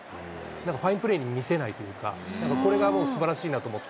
なんかファインプレーに見せないというか、これがもうすばらしいなと思って。